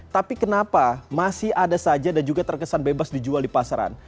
tapi kenapa masih ada saja dan juga terkesan bebas dijual di pasaran